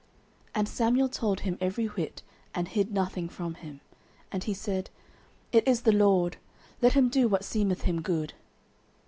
09:003:018 And Samuel told him every whit, and hid nothing from him. And he said, It is the LORD: let him do what seemeth him good.